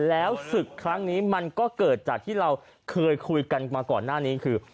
แล้วศึกครั้งนี้มันก็เกิดจากที่เราเคยคุยกันมาก่อนหน้านี้คือ